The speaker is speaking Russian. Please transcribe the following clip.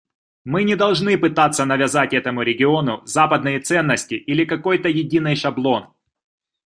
Мы не должны пытаться навязать этому региону западные ценности или какой-то единый шаблон.